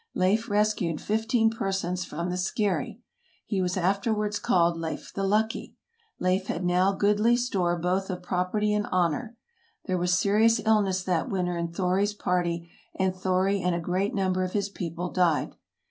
Leif rescued fifteen persons from the skerry. He was afterwards called Leif the Lucky. Leif had now goodly store both of property and honor. There was serious illness that winter in Thori 's party, and Thori and a great number of his people died.